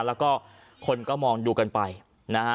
แล้วก็คนก็มองดูกันไปนะฮะ